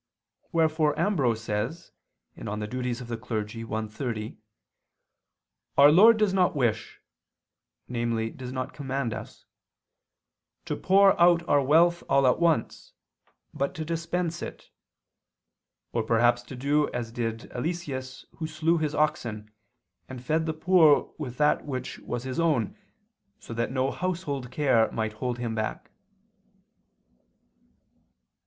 Wherefore Ambrose says (De Offic. i, 30): "Our Lord does not wish," namely does not command us "to pour out our wealth all at once, but to dispense it; or perhaps to do as did Eliseus who slew his oxen, and fed the poor with that which was his own so that no household care might hold him back."